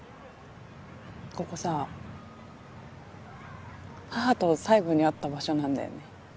ここさ母と最後に会った場所なんだよね。